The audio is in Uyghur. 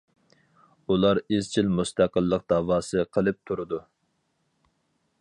ئۇلار ئىزچىل مۇستەقىللىق داۋاسى قىلىپ تۇرىدۇ.